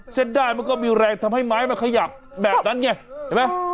เส็ดได้มันก็มีแรงทำให้ไม้มึงจะขยับแบบนั้นไงอื้ม